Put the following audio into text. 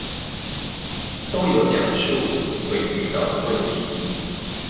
都有講述會遇到的問題